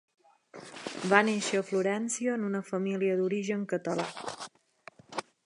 Va néixer a Florència en una família d'origen català.